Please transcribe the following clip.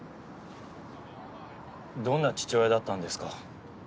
どんな父親だったんですか？